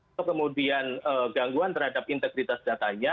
atau kemudian gangguan terhadap integritas datanya